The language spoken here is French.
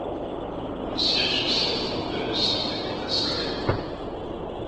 Le siège social du nouvel ensemble est à Singapour.